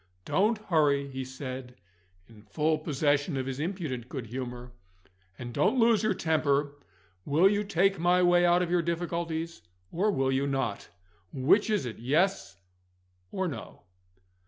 "Don't hurry," he said, in full possession of his impudent good humour; "and don't lose your temper. Will you take my way out of your difficulties, or will you not? Which is it Yes or No?"